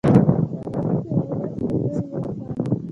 چارواکي او ولسي وګړي یو شان وو.